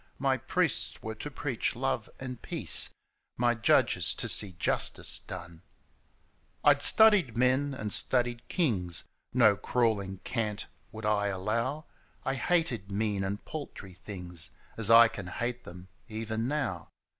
My priests were to preach love and peace ; My Judges to see justice done. I'd studied men and studied kings, No crawling cant would I allow ; I hated mean and paltry things. As I can hate them even now.